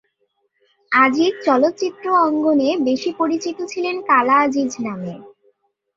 আজিজ চলচ্চিত্রে অঙ্গনে বেশি পরিচিত ছিলেন ‘কালা আজিজ’ নামে।